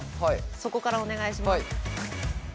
そこからお願いします。